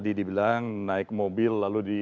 dia di jembatan mobil